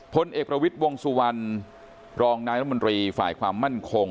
พลเอกประวิทย์วงสุวรรณรองนายรัฐมนตรีฝ่ายความมั่นคง